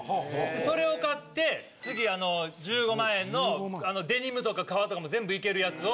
それを買って次１５万円のデニムとか革とかも全部いけるやつを。